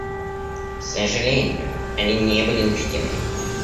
К сожалению, они не были учтены.